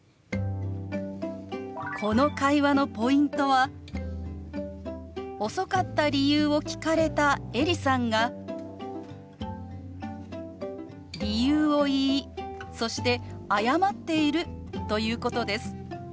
この会話のポイントは遅かった理由を聞かれたエリさんが理由を言いそして謝っているということです。